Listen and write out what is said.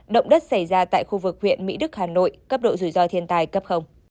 động đất xảy ra tại khu vực huyện mỹ đức hà nội cấp độ rủi ro thiên tài cấp